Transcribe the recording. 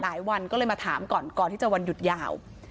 วันก็เลยมาถามก่อนก่อนที่จะวันหยุดยาว